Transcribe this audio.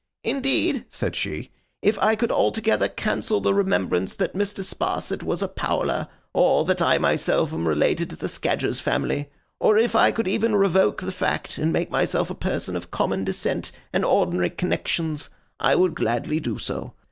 Indeed,' said she, 'if I could altogether cancel the remembrance that Mr. Sparsit was a Powler, or that I myself am related to the Scadgers family; or if I could even revoke the fact, and make myself a person of common descent and ordinary connexions; I would gladly do so.